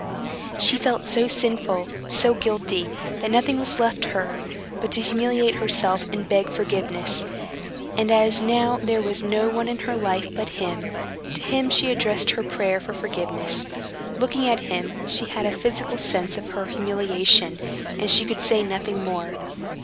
She felt so sinful, so guilty, that nothing was left her but to humiliate herself and beg forgiveness; and as now there was no one in her life but him, to him she addressed her prayer for forgiveness. Looking at him, she had a physical sense of her humiliation, and she could say nothing more.